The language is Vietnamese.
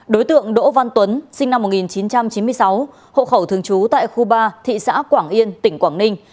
đối tượng đỗ văn tuấn sinh năm một nghìn chín trăm chín mươi sáu hộ khẩu thường trú tại khu ba thị xã quảng yên tỉnh quảng ninh